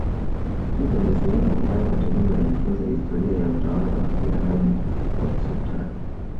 kilwa ni sehemu ambayo watalii wanajifunza historia ya utawala wa kiarabu wa kisultani